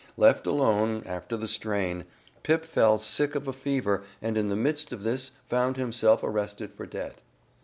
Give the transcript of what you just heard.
Left alone, after the strain, Pip fell sick of a fever and in the midst of this found himself arrested for debt.